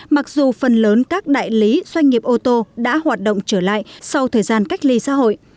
mặc dù phần lớn các đại lý doanh nghiệp ô tô đã hoạt động trở lại sau thời gian cách ly xã hội